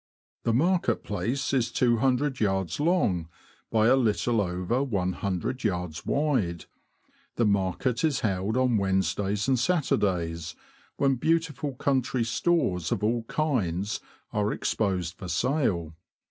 The Market Place is 200yds. long, by a little over looyds. wide; the market is held on Wednesdays and Saturdays, when beautiful country stores of all kinds are exposed for sale.